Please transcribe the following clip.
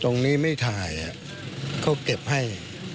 ตรงนี้ไม่ถ่ายเขาเก็บให้